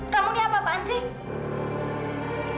kamu ini apa apaan sih